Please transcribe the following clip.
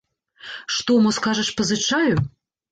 Што, мо скажаш, пазычаю?